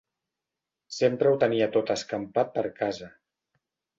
Sempre ho tenia tot escampat per casa...